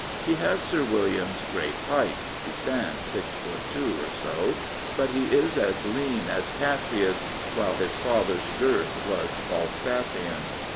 He has Sir William's great height — he stands six foot two or so — but he is as lean as Cassius, while his father's girth was FalstafiSan.